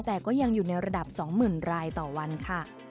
แต่ก็ยังอยู่ในระดับ๒๐๐๐รายต่อวันค่ะ